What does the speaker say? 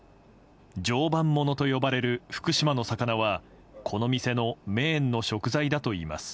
常磐ものと呼ばれる福島の魚はこの店のメインの食材だといいます。